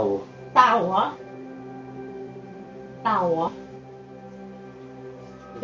ว่าไงครับพี่